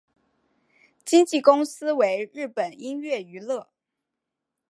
经纪公司为日本音乐娱乐。